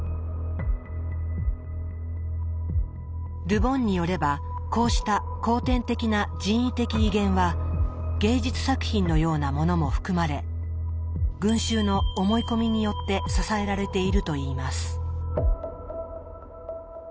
ル・ボンによればこうした後天的な人為的威厳は芸術作品のようなものも含まれ群衆の思い込みによって支えられているといいます。